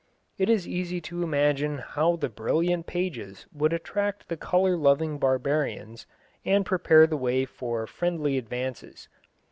It is easy to imagine how the brilliant pages would attract the colour loving barbarians, and prepare the way for friendly advances.